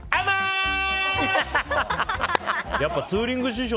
やっぱツーリング師匠